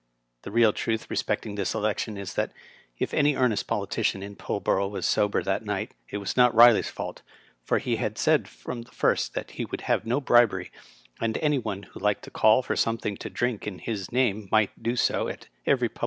The real truth respecting this election is that, if any earnest politician in Pullborough was sober that night, it was not Riley's fault, for he had said from the first that he would have no bribery, and any one who liked to call for something to drink in his name might do so at every public in the town.